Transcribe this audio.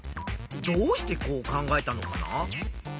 どうしてこう考えたのかな？